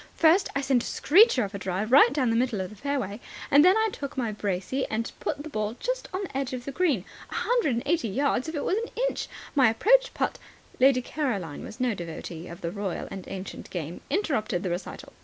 "First, I sent a screecher of a drive right down the middle of the fairway. Then I took my brassey and put the ball just on the edge of the green. A hundred and eighty yards if it was an inch. My approach putt " Lady Caroline, who was no devotee of the royal and ancient game, interrupted the recital.